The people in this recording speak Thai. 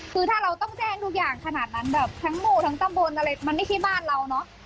คือถ้าเราต้องแจ้งทุกอย่างขนาดนั้นแบบทั้งหมู่ทั้งตำบลอะไรมันไม่ใช่บ้านเราเนอะ